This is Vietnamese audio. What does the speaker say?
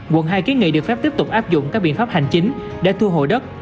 quận hai kiến nghị được phép tiếp tục áp dụng các biện pháp hành chính để thu hồi đất